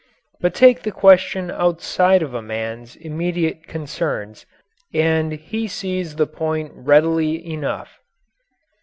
But take the question outside of a man's immediate concerns, and he sees the point readily enough.